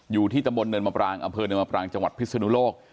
อยู่ที่ตำบลเนินมะปรางอำเภอเนินมปรางจังหวัดพิศนุโลก